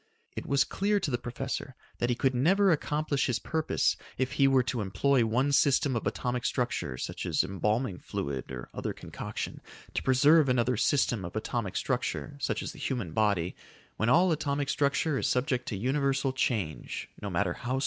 It was clear to the professor that he could never accomplish his purpose if he were to employ one system of atomic structure, such as embalming fluid or other concoction, to preserve another system of atomic structure, such as the human body, when all atomic structure is subject to universal change, no matter how slow.